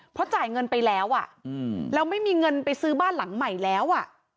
เพราะจ่ายเงินไปแล้วอ่ะแล้วไม่มีเงินไปซื้อบ้านหลังใหม่แล้วอ่ะ